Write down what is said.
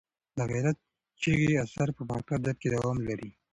د غیرت چغې اثر په پښتو ادب کې دوام لري.